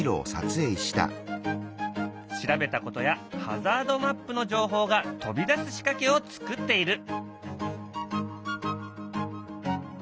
調べたことやハザードマップの情報が飛び出す仕掛けを作っている。